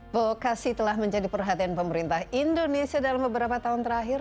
vokasi telah menjadi perhatian pemerintah indonesia dalam beberapa tahun terakhir